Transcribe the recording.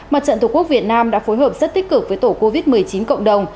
mặt trận tổ quốc việt nam đã phối hợp rất tích cực với tổ covid một mươi chín cộng đồng